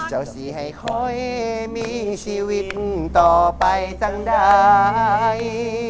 สิให้ค่อยมีชีวิตต่อไปตั้งได้